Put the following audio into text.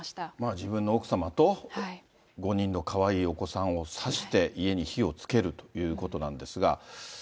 自分の奥様と、５人のかわいいお子さんを刺して、家に火をつけるということなんですが。